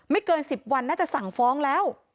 เกิน๑๐วันน่าจะสั่งฟ้องแล้ว